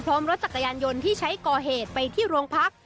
รถจักรยานยนต์ที่ใช้ก่อเหตุไปที่โรงพัก